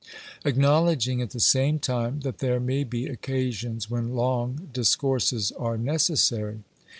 acknowledging at the same time that there may be occasions when long discourses are necessary.